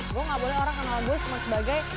gue gak boleh orang kenal gue cuma sebagai